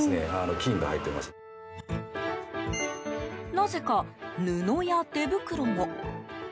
なぜか、布や手袋も。